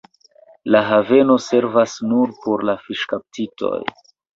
La haveno servas nur por fiŝkaptistoj.